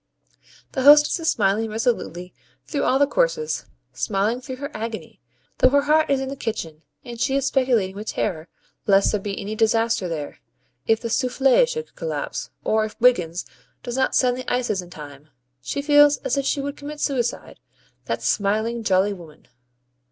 The hostess is smiling resolutely through all the courses, smiling through her agony; though her heart is in the kitchen, and she is speculating with terror lest there be any disaster there. If the SOUFFLE should collapse, or if Wiggins does not send the ices in time she feels as if she would commit suicide that smiling, jolly woman!